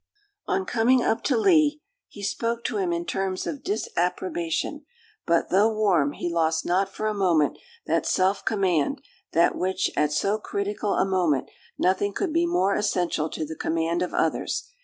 On coming up to Lee, he spoke to him in terms of disapprobation; but, though warm, he lost not for a moment that self command, than which, at so critical a moment, nothing could be more essential to the command of others.